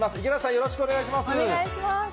よろしくお願いします。